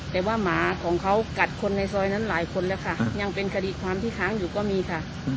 แต่ว่าหมาของเขากัดคนในซอยนั้นหลายคนแล้วค่ะยังเป็นคดีความที่ค้างอยู่ก็มีค่ะ